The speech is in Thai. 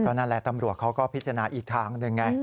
นั่นแหละตำรวจเขาก็พิจารณาอีกทางหนึ่งไง